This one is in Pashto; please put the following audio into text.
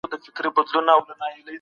که موږ غريب واوسو نو پرمختګ نسو کولای.